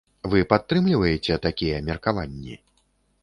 Вы падтрымліваеце такія меркаванні?